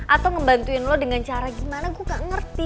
atau ngebantuin lo dengan cara gimana gue gak ngerti